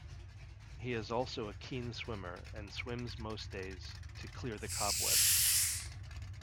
He is also a keen swimmer and swims most days "to clear the cobwebs".